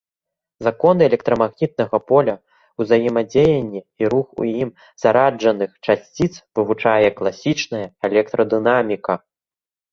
Законы электрамагнітнага поля, узаемадзеянне і рух у ім зараджаных часціц вывучае класічная электрадынаміка.